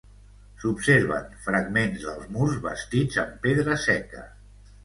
S'observen fragments dels murs, bastits amb pedra seca.